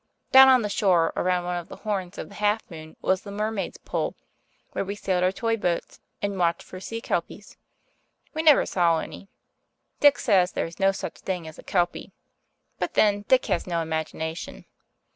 Down on the shore, around one of the horns of the Half Moon, was the Mermaid's Pool, where we sailed our toy boats and watched for sea kelpies. We never saw any. Dick says there is no such thing as a kelpy. But then Dick has no imagination.